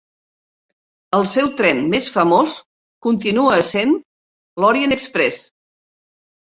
El seu tren més famós continua essent l'Orient-Express.